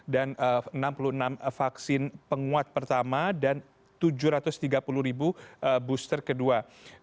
dan enam puluh enam vaksin penguat pertama dan tujuh ratus tiga puluh ribu booster kedua